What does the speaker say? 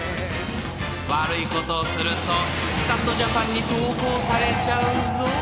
［悪いことをすると『スカッとジャパン』に投稿されちゃうぞ］